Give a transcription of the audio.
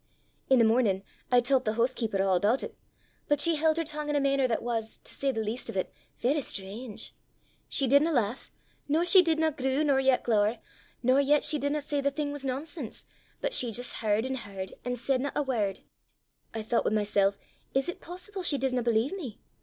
"I' the mornin' I tellt the hoosekeeper a' aboot it; but she held her tongue in a mainner that was, to say the least o' 't, varra strange. She didna lauch, nor she didna grue nor yet glower, nor yet she didna say the thing was nonsense, but she jist h'ard an' h'ard an' saidna a word. I thoucht wi' mysel', is 't possible she disna believe me?